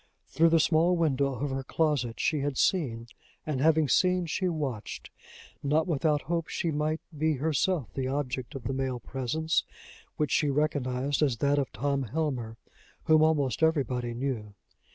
Through the small window of her closet she had seen, and having seen she watched not without hope she might be herself the object of the male presence, which she recognized as that of Tom Helmer, whom almost everybody knew.